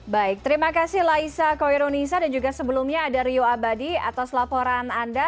baik terima kasih laisa koirunisa dan juga sebelumnya ada rio abadi atas laporan anda